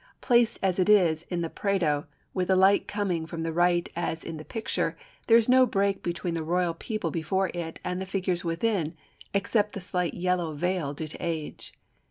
Placed as it is in the Prado, with the light coming from the right as in the picture, there is no break between the real people before it and the figures within, except the slight yellow veil due to age.